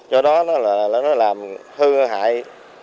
do đó nó làm hư hại